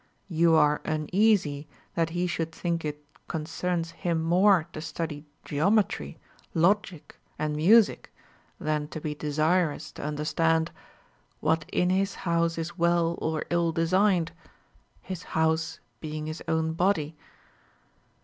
You are uneasy that he should think it concerns him more to study geometry, logic, and music, than to be desirous to understand What in his house is well or ill designed,* his house being his own body.